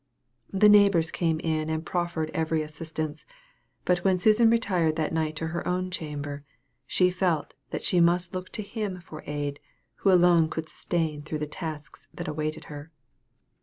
The neighbors came in and proffered every assistance; but when Susan retired that night to her own chamber, she felt that she must look to HIM for aid, who alone could sustain through the tasks that awaited her.